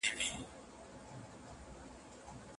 حقیقت به درته وایم که چینه د ځوانۍ را کړي